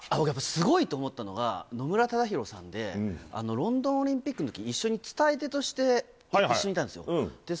やっぱすごいと思ったのが、野村ただひろさんで、ロンドンオリンピックのとき一緒に伝え手として一緒にいたんですよ。